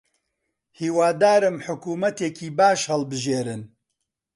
هیوادارم حکوومەتێکی باش هەڵبژێرن.